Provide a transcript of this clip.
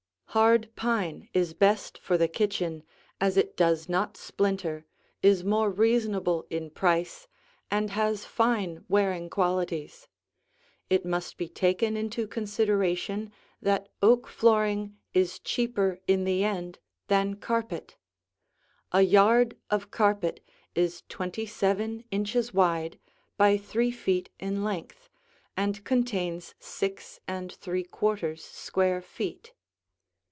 Hard pine is best for the kitchen, as it does not splinter, is more reasonable in price, and has fine wearing qualities. It must be taken into consideration that oak flooring is cheaper in the end than carpet. A yard of carpet is twenty seven inches wide by three feet in length and contains six and three quarters square feet.